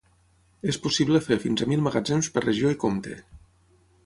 És possible fer fins a mil magatzems per regió i compte.